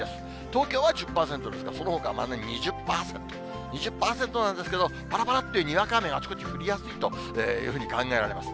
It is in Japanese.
東京は１０％ですが、そのほかは２０％、２０％なんですけど、ぱらぱらっとにわか雨があちこち降りやすいというふうに考えられます。